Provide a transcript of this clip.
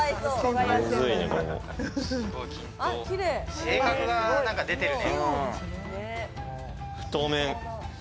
性格が出てるね。